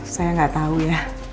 saya gak tau ya